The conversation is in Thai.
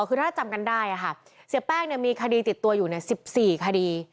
คือถ้าจำกันได้ค่ะเสียแป้งมีคดีติดตัวอยู่๑๔คดี